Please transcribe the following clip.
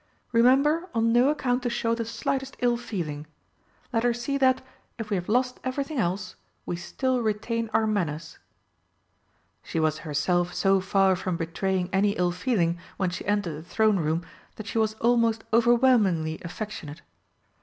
Remember on no account to show the slightest ill feeling. Let her see that, if we have lost everything else, we still retain our manners." She was herself so far from betraying any ill feeling when she entered the Throne Room that she was almost overwhelmingly affectionate.